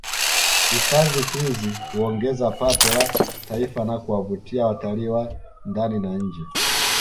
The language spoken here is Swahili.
Hifadhi hizi huongeza pato la Taifa na kuwavutia watalii wa ndani na nje